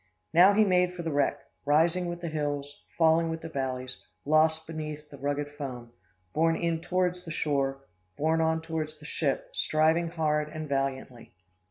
Now, he made for the wreck, rising with the hills, falling with the valleys, lost beneath the rugged foam, borne in towards the shore, borne on towards the ship, striving hard and valiantly.